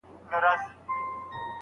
هغوی پخوا هم بدلونونو ته چمتو وو.